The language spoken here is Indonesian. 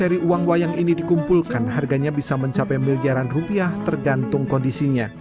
dari uang wayang ini dikumpulkan harganya bisa mencapai miliaran rupiah tergantung kondisinya